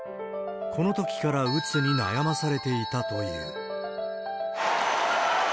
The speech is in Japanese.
このときからうつに悩まされていたという。